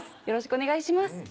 よろしくお願いします。